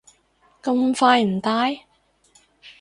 咁快唔戴？